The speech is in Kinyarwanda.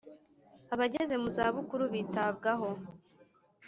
Abageze mu zabukuru bitabwaho.